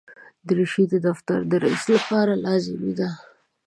دریشي د دفتر د رئیس لپاره لازمي ده.